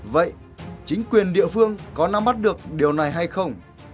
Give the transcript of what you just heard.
vậy chính quyền địa phương có nắm bắt được điều này hay không